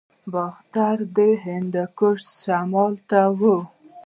باختر د هندوکش شمال ته و